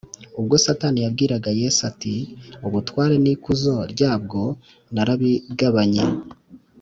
Ubwo Satani yabwiraga Yesu ati; Ubutware n’ikuzo ryabwo narabigabanye